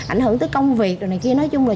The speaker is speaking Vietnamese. ảnh hưởng tới công việc rồi này kia nói chung là